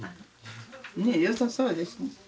ねえよさそうですね。